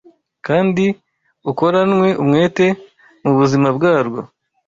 kandi ukoranwe umwete mu buzima bwarwo